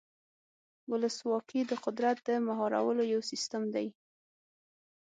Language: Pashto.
ولسواکي د قدرت د مهارولو یو سیستم دی.